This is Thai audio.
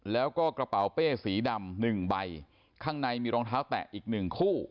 แล้วก็กระเป๋าเป้สีดำหนึ่งใบข้างในมีรองเท้าแตะอีกหนึ่งคู่